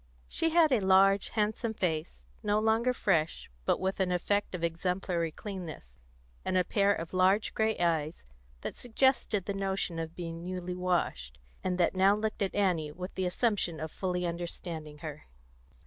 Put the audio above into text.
She had a large, handsome face, no longer fresh, but with an effect of exemplary cleanness, and a pair of large grey eyes that suggested the notion of being newly washed, and that now looked at Annie with the assumption of fully understanding her.